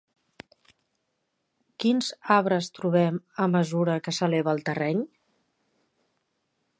Quins arbres trobem a mesura que s'eleva el terreny?